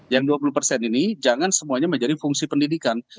yang dua puluh persen ini jangan semuanya menjadi fungsi pendidikan